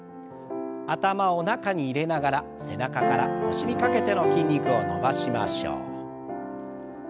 頭を中に入れながら背中から腰にかけての筋肉を伸ばしましょう。